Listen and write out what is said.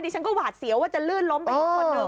ดิฉันก็หวาดเสียวว่าจะลื่นล้มไปทุกคน